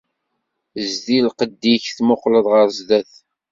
Zdi lqedd-ik temmuqleḍ ɣer sdat.